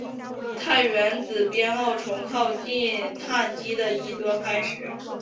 碳原子编号从靠近羰基的一端开始。